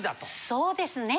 そうですね。